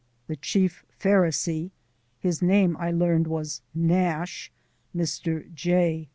The Chief Pharisee his name I learned was Nash, Mr. J.